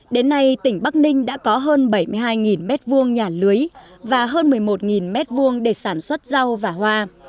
đến nay tỉnh bắc ninh đã có hơn bảy mươi hai m hai nhà lưới và hơn một mươi một m hai để sản xuất rau và hoa